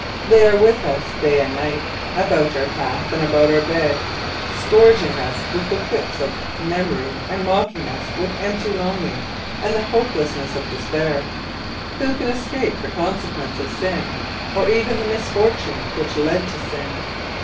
They are with us day and night, about our path and about our bed, scourging us with the whips of memory, mocking us with empty longing and the hopelessness of despair. Who can escape the consequence of sin, or even of the misfortune which led to sin?